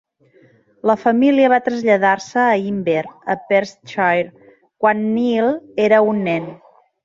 La família va traslladar-se a Inver a Perthshire quan Niel era un nen.